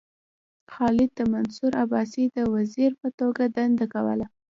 خالد د منصور عباسي د وزیر په توګه دنده کوله.